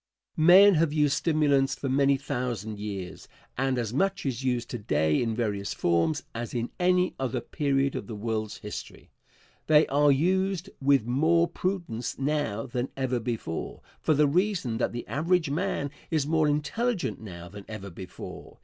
Answer. Men have used stimulants for many thousand years, and as much is used to day in various forms as in any other period of the world's history. They are used with more prudence now than ever before, for the reason that the average man is more intelligent now than ever before.